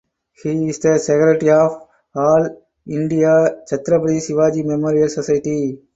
He is the secretary of All India Chhatrapati Shivaji Memorial Society.